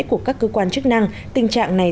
của các cơ quan chức năng tình trạng này